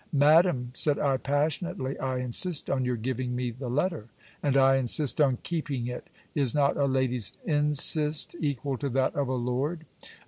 'Madam,' said I passionately, 'I insist on your giving me the letter.' 'And I insist on keeping it.' Is not a lady's insist equal to that of a lord?'